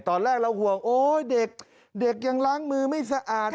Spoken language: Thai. ตอนแรกเราห่วงโอ๊ยเด็กเด็กยังล้างมือไม่สะอาด